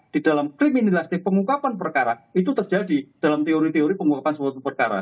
di dalam kriminalisasi pengungkapan perkara itu terjadi dalam teori teori pengungkapan sebuah perkara